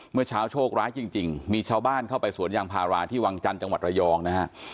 เมื่อเช้าโชคร้ายจริงมีชาวบ้านเข้าไปสวนยางพาราที่วังจันทร์จังหวัดระยองนะฮะ